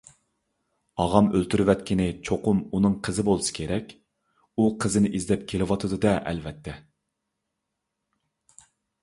ئاغام ئۆلتۈرۈۋەتكىنى چوقۇم ئۇنىڭ قىزى بولسا كېرەك. ئۇ قىزىنى ئىزدەپ كېلىۋاتىدۇ - دە، ئەلۋەتتە!